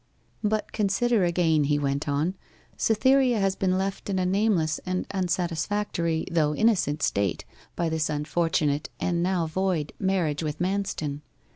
'But consider again,' he went on. 'Cytherea has been left in a nameless and unsatisfactory, though innocent state, by this unfortunate, and now void, marriage with Manston.